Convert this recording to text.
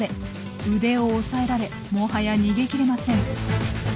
腕を押さえられもはや逃げきれません。